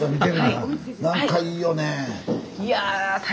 何かいいよねぇ。